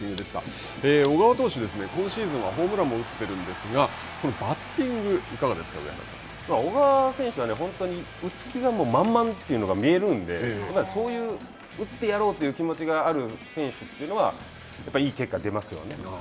小川投手は今シーズン、ホームランも打っているんですが、バッテ小川選手は、本当に打つ気が満々というのが見えるので、そういう打ってやろうという気持ちがある選手というのはやっぱりいい結果が出ますよね。